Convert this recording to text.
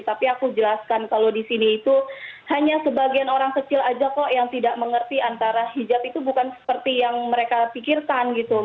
tapi aku jelaskan kalau di sini itu hanya sebagian orang kecil aja kok yang tidak mengerti antara hijab itu bukan seperti yang mereka pikirkan gitu